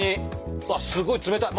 うわっすごい冷たい！